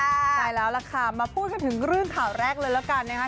ใช่แล้วล่ะค่ะมาพูดกันถึงเรื่องข่าวแรกเลยแล้วกันนะคะ